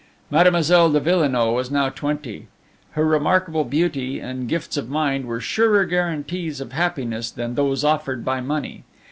Mademoiselle de Villenoix was now twenty. Her remarkable beauty and gifts of mind were surer guarantees of happiness than those offered by money.